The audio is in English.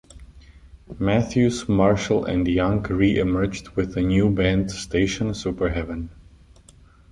Matthews, Marshall and Young reemerged with a new band, Station Superheaven.